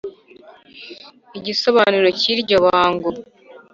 igisobanuro cy'iryo bango